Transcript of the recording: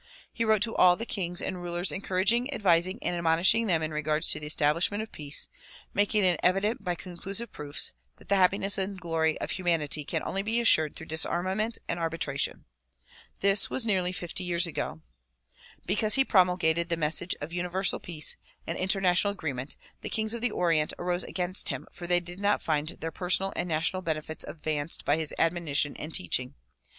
He wrote to all the kings and rulers encouraging, advising and admonishing them in regard to the establishment of peace ; making it evident by conclusive proofs that the happiness and glory of humanity can only be assured through disarmament and arbitration. This was nearly fifty years ago. Because he promulgated the message of Uni versal Peace and international agreement, the kings of the Orient arose against him for they did not find their personal and national benefits advanced by his admonition and teaching.